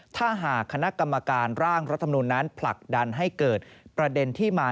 ถ้าหากคณะกรรมการร่างรัฐมนุนนั้นผลักดันให้เกิดประเด็นที่มา